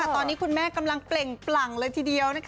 ตอนนี้คุณแม่กำลังเปล่งปลั่งเลยทีเดียว